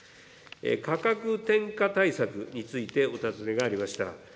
価格転嫁対策についてお尋ねがありました。